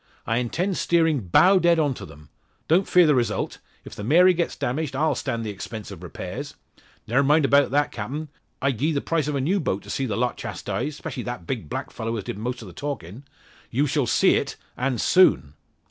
I intend steering bow dead on to them. Don't fear the result. If the Mary get damaged I'll stand the expense of repairs." "Ne'er a mind 'bout that, Captain. I'd gi'e the price o' a new boat to see the lot chastised specially that big black fellow as did most o' the talkin'." "You shall see it, and soon!"